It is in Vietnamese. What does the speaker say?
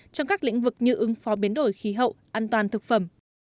trong các lĩnh vực như ứng phó biến đổi khí hậu an toàn thực phẩm